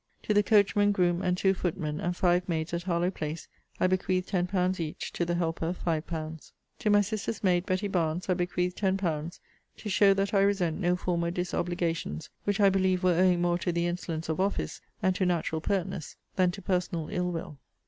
To the coachman, groom, and two footmen, and five maids, at Harlowe place, I bequeath ten pounds each; to the helper five pounds. To my sister's maid, Betty Barnes, I bequeath ten pounds, to show that I resent no former disobligations; which I believe were owing more to the insolence of office, and to natural pertness, than to personal ill will.